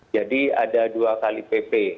jadi ada dua kali pp